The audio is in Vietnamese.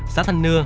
xã thanh nưa